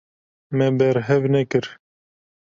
Me berhev nekir.